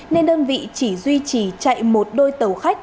nên đơn vị chỉ duy trì chạy một đôi tàu khách